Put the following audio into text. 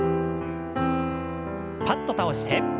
パッと倒して。